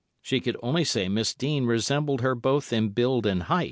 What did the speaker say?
She could only say Miss Dean resembled her both in build and height.